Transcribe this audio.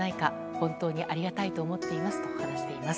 本当にありがたいと思っていますと話しています。